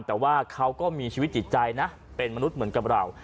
แต่ว่าเขาก็มีชีวิตจิตใจนะเป็นมนุษย์เหมือนกับเรา